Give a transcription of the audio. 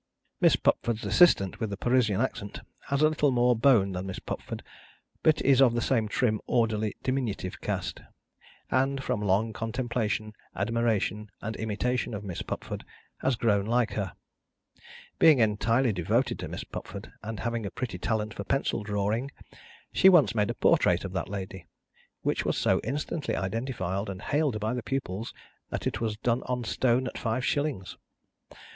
Miss Pupford's assistant with the Parisian accent has a little more bone than Miss Pupford, but is of the same trim orderly diminutive cast, and, from long contemplation, admiration, and imitation of Miss Pupford, has grown like her. Being entirely devoted to Miss Pupford, and having a pretty talent for pencil drawing, she once made a portrait of that lady: which was so instantly identified and hailed by the pupils, that it was done on stone at five shillings.